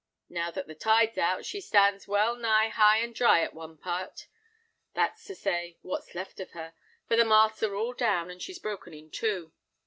Now that the tide's out, she stands well nigh high and dry at one part; that's to say, what's left of her, for the masts are all down, and she's broken in two.